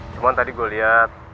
cuman tadi gue liat